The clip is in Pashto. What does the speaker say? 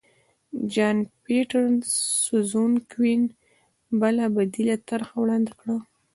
جان پیټرسزونکوین بله بدیله طرحه وړاندې کړه.